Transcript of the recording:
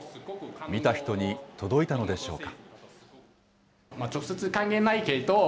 見た人に届いたのでしょうか。